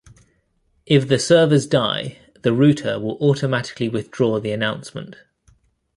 If the servers die, the router will automatically withdraw the announcement.